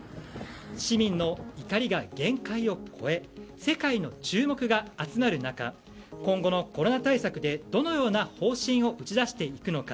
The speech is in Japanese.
市民の怒りが限界を超え世界の注目が集まる中今後のコロナ対策でどのような方針を打ち出していくのか。